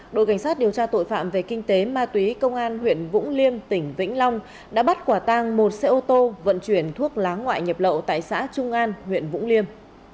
đội cảnh sát điều tra tội phạm về kinh tế ma túy công an huyện vũng liêm tỉnh vĩnh long đã bắt quả tang một xe ô tô vận chuyển thuốc lá ngoại nhập lậu tại xã trung an huyện vũng liêm